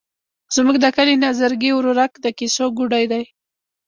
زموږ د کلي نظرګي ورورک د کیسو ګوډی دی.